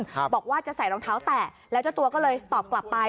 บอกว่าจะใส่รองเท้าแตะแล้วเจ้าตัวก็เลยตอบกลับไป